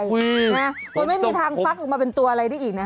อุ๊ยผมสวับผมไม่มีทางพักออกมาเป็นตัวอะไรด้วยอีก